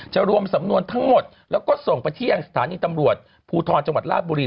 รวมสำนวนทั้งหมดแล้วก็ส่งไปที่ยังสถานีตำรวจภูทรจังหวัดราชบุรี